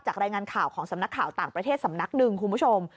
รายงานข่าวของสำนักข่าวต่างประเทศสำนักหนึ่งคุณผู้ชม